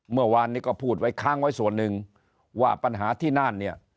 เมื่อวานนี้ก็พูดไว้ค้างไว้ส่วนหนึ่งว่าปัญหาที่น่านเนี่ย